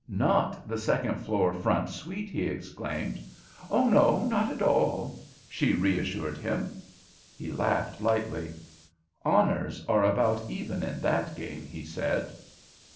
"Not the second floor front suite!" he exclaimed. "Oh, no! Not at all," she reassured him. He laughed lightly. "Honors are about even in that game," he said.